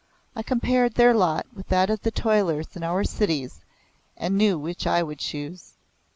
I compared their lot with that of the toilers in our cities and knew which I would choose.